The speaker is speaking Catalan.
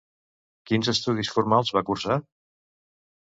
Quins estudis formals va cursar?